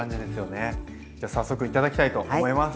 じゃ早速頂きたいと思います。